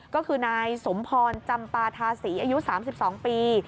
ก็คือนายสมพรจำปาธาศรีอายุ๓๒ปี